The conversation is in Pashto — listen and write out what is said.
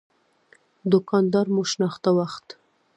دوکان دار مو شناخته وخت.